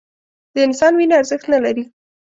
د انسان وینه ارزښت نه لري